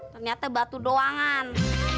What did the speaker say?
ternyata batu doangan